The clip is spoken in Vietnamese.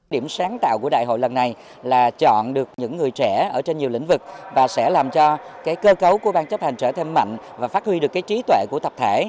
điểm sáng tạo của đại hội lần này là chọn được những người trẻ ở trên nhiều lĩnh vực và sẽ làm cho cơ cấu của bang chấp hành trở thêm mạnh và phát huy được cái trí tuệ của tập thể